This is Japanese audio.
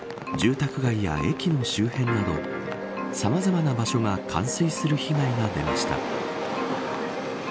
道路の他に住宅街や駅の周辺などさまざまな場所が冠水する被害が出ました。